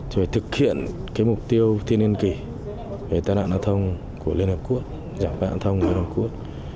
thì phải thực hiện mục tiêu thiên yên kỷ về tài nạn đa thông của liên hợp quốc giảm tài nạn đa thông của liên hợp quốc